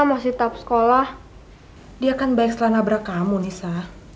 masih tetap sekolah dia kan baik setelah nabrak kamu nisa